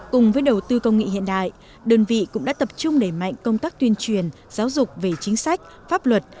cùng với đầu tư công nghệ hiện đại đơn vị cũng đã tập trung đẩy mạnh công tác tuyên truyền giáo dục về chính sách pháp luật